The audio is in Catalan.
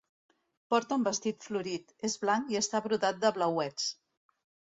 Porta un vestit florit: és blanc i està brodat de blauets.